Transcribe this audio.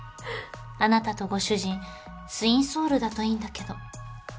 あなたとご主人ツインソウルだといいんだけど。